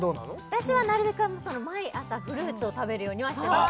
私はなるべく毎朝フルーツを食べるようにはしてます